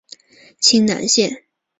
清南线